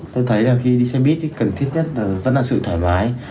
tôi thấy là khi đi xe buýt thì cần thiết nhất vẫn là sự thoải mái